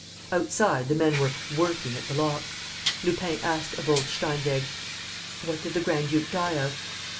Outside, the men were "working" at the lock. Lupin asked of old Steinweg: "What did the grand duke die of?"